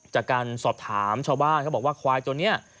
จากการสอบถามชาวบ้านเขาบอกว่าควายตัวนี้